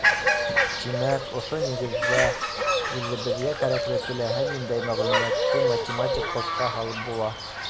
Тимәк, ошо нигеҙҙә үҙебеҙгә кәрәкле теләһә ниндәй мәғлүмәтте математик кодҡа һалып була.